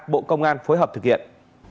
bộ công an phối hợp thực hiện